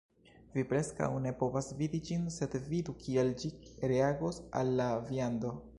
Vi preskaŭ ne povas vidi ĝin sed vidu kiel ĝi reagos al la viando